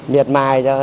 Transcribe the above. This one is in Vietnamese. miệt mài cho